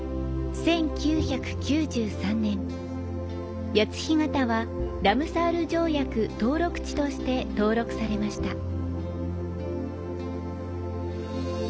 １９９３年、谷津干潟は、ラムサール条約登録地として登録されました。